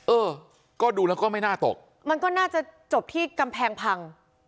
เออก็ดูแล้วก็ไม่น่าตกมันก็น่าจะจบที่กำแพงพัง